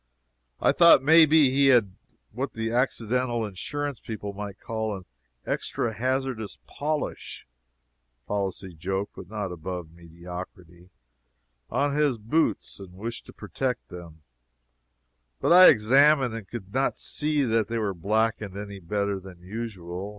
I thought may be he had what the accidental insurance people might call an extra hazardous polish ("policy" joke, but not above mediocrity,) on his boots, and wished to protect them, but I examined and could not see that they were blacked any better than usual.